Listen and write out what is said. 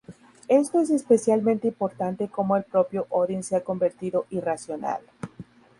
Esto es especialmente importante como el propio Odin se ha convertido irracional.